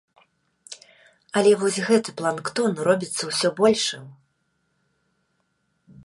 Але вось гэты планктон робіцца ўсё большым.